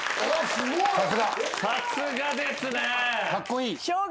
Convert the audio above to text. さすがです。